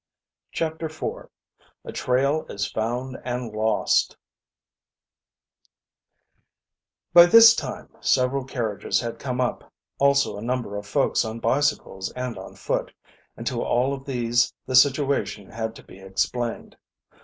CHAPTER IV A TRAIL IS FOUND AND LOST By this time several carriages had come up, also a number of folks on bicycles and on foot, and to all of these the situation had to be explained.